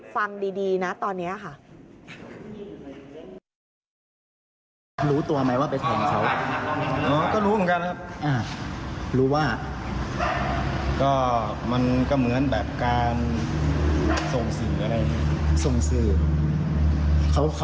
ฟังดีนะตอนนี้ค่ะ